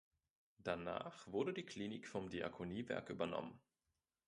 Danach wurde die Klinik vom Diakoniewerk übernommen.